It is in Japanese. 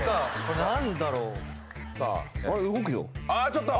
ちょっと！